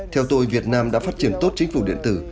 theo tôi việt nam đã phát triển tốt chính phủ điện tử